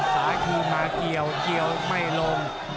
ซ้ายคืนมาเกี่ยวเกี่ยวไม่ลง